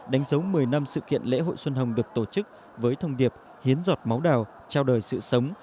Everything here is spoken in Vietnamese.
đánh dấu một mươi năm sự kiện lễ hội xuân hồng được tổ chức với thông điệp hiến giọt máu đào trao đời sự sống